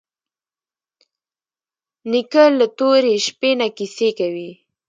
نیکه له تورې شپې نه کیسې کوي.